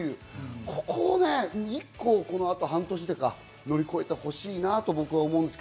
ここを１個、この後半年で乗り越えてほしいなと思うんです。